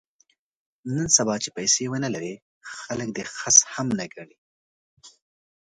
نن سبا چې پیسې ونه لرې خلک دې خس هم نه ګڼي.